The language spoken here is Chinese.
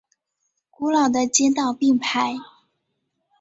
古老的街道并排。